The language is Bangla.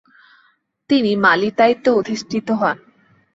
তিনি মালির দায়িত্বে অধিষ্ঠিত হন।